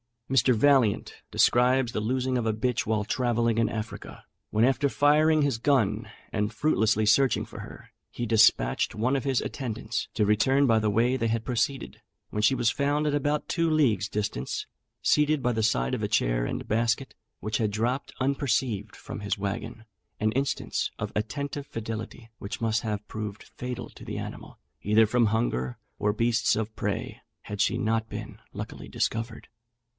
Mr. Vaillant describes the losing of a bitch while travelling in Africa, when after firing his gun, and fruitlessly searching for her, he despatched one of his attendants, to return by the way they had proceeded; when she was found at about two leagues' distance, seated by the side of a chair and basket, which had dropped unperceived from his waggon: an instance of attentive fidelity, which must have proved fatal to the animal, either from hunger or beasts of prey, had she not been luckily discovered.